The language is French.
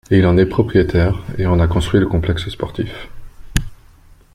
Il en est propriétaire et en a construit le complexe sportif.